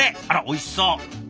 あらおいしそう。